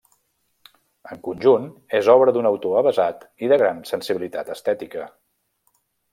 En conjunt, és obra d'un autor avesat i de gran sensibilitat estètica.